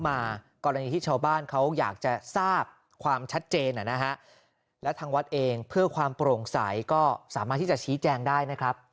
มากรณีที่ชาวบ้านเขาอยากจะทราบความชัดเจนและทางวัดเองเพื่อความโปร่งใสก็สามารถที่จะชี้แจงได้นะครับ